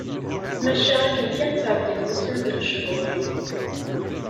Maca akken kan ttɛeddin wussan d lechur.